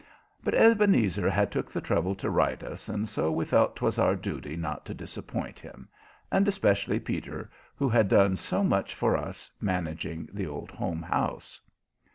But Ebenezer had took the trouble to write us, and so we felt 'twas our duty not to disappoint him, and especially Peter, who had done so much for us, managing the Old Home House.